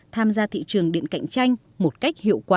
tham gia thị trường điện cạnh tranh một cách hiệu quả